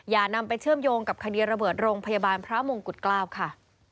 อย่านำไปเชื่อมโยงกับคดีระเบิดโรงพยาบาลพระมงกุฎเกล้าค่ะ